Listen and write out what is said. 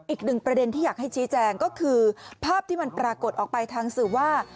อีกหนึ่งประเด็นที่อยากให้ชี้แจงก็คือภาพที่มันปรากฏออกไปทางสื่อว่า